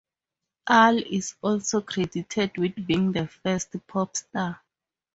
Al is also credited with being the first "pop star".